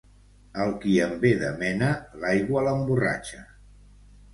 Al qui en ve de mena, l'aigua l'emborratxa.